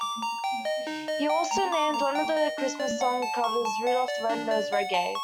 He also named one of his Christmas song covers "Rudolph The Red-Nosed Reggae".